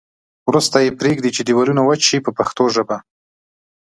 وروسته یې پرېږدي چې دېوالونه وچ شي په پښتو ژبه.